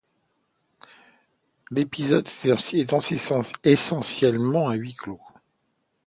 L'épisode est essentiellement un huis clos.